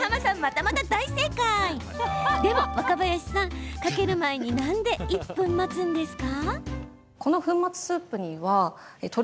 でも若林さん、かける前になんで１分間待つんですか？